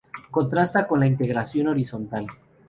Contrasta con la integración horizontal.